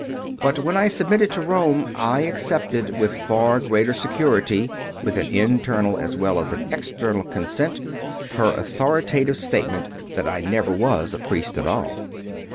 But when I submitted to Rome, I accepted with far greater security, with an internal as well as an external consent, her authoritative statement that I never was a priest at all.